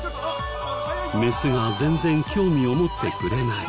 メスが全然興味を持ってくれない。